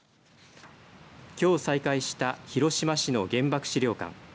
きょう再開した広島市の原爆資料館。